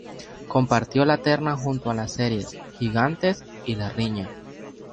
Compartió la terna junto a las series: "Gigantes" y "La Riña".